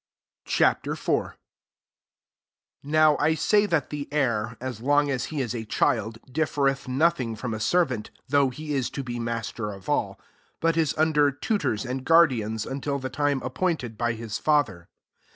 Ch. IV. 1 Now, I say that the heir, as long as he is a child, differeth nothing from a servant, though he is to be master of all ; 2 but is under tutors and guardians, until the time appointed by hia father.